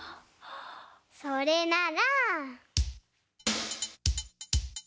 それなら。